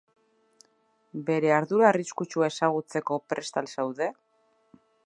Bere ardura arriskutsua ezagutzeko prest al zaude?